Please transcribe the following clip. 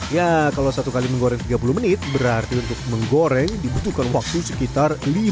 ya kalau satu kali menggoreng tiga puluh menit berarti untuk menggoreng dibutuhkan waktu sekitar